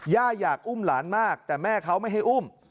ย่าอยากอุ้มหลานมากแต่แม่เขาไม่ให้อุ้ม